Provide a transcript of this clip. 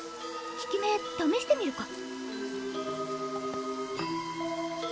効き目ためしてみるか。